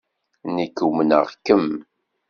Nekk umneɣ-kem.